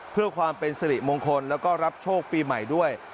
เพื่อความเป็นสิริมงคลแล้วก็รับโชคปีใหม่ด้วย